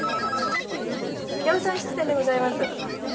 藪沢質店でございます。